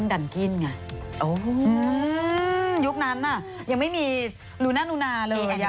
ดัมกิ้นไงโอ้โหอืมยุคนั้นอ่ะยังไม่มีลูน่าลูน่าเลยอ่ะ